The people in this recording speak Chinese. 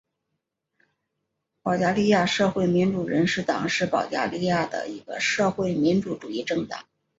保加利亚社会民主人士党是保加利亚的一个社会民主主义政党。